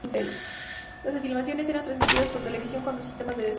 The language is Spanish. Las filmaciones eran transmitidas por televisión con dos semanas de desfase.